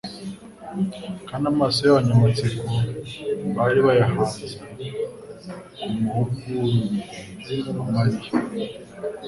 kandi amaso y'abanyamatsiko bari bayahanze ku muhurugu wa Mariya.